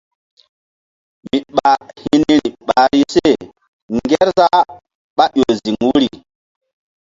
Mi ɓah hi̧ niri ɓahri se Ŋgerzah ɓá ƴo ziŋ wuri.